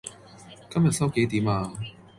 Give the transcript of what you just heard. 今日收幾點呀?